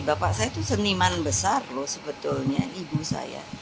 bapak saya itu seniman besar loh sebetulnya ibu saya